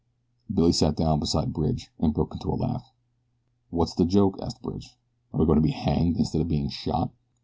Billy sat down beside Bridge, and broke into a laugh. "What's the joke?" asked Bridge. "Are we going to be hanged instead of being shot?"